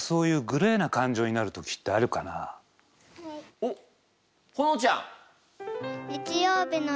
おっほのちゃん。